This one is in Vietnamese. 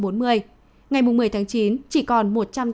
ngày một mươi chín chỉ còn một trăm tám mươi tám